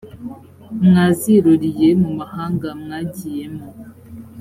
mwaziruriye mu mahanga mwagiyemo